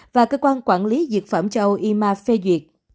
và cơ quan quản lý dược phẩm châu âu ima phê duyệt